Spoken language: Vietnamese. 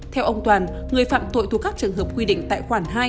theo ông toàn người phạm tội thuộc các trường hợp quy định tại khoản hai